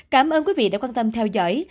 cảm ơn quý vị đã quan tâm theo dõi